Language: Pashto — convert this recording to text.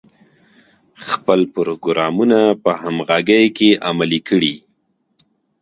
خپل پروګرامونه په همغږۍ کې عملي کړي.